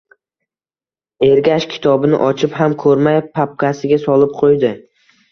Ergash kitobini ochib ham ko‘rmay, papkasiga solib qo‘ydi